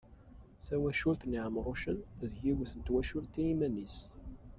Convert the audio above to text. Tawacult n Iɛemrucen, d yiwet n twacult iman-is.